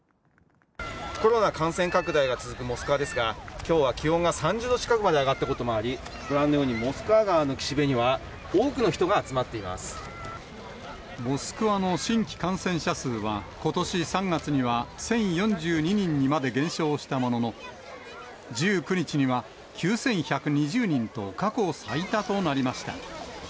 コロナ感染拡大が続くモスクワですが、きょうは気温が３０度近くまで上がったこともあり、ご覧のように、モスクワ川の岸辺には、モスクワの新規感染者数は、ことし３月には、１０４２人まで減少したものの、１９日には９１２０人と、過去最多となりました。